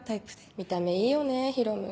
見た目いいよねヒロムー。